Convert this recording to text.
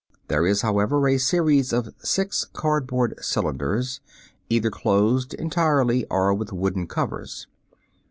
There is, however, a series of six cardboard cylinders, either closed entirely or with wooden covers.